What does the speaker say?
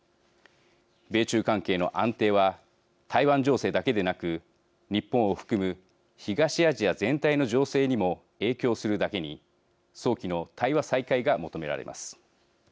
米中関係の安定は台湾情勢だけでなく日本を含む東アジア全体の情勢にも影響するだけに早期の対話再開が求められます。